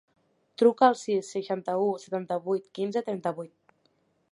Truca al sis, seixanta-u, setanta-vuit, quinze, trenta-vuit.